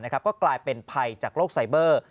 ก็กลายเป็นภัยจากโรคไซเบอร์